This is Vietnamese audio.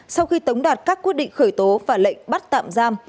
sau khi tống đạt các quyết định khởi tố và lệnh bắt tạm giam